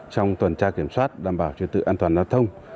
trong tuần tra kiểm soát đảm bảo trật tự an toàn giao thông